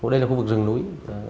đây là khu vực rừng núi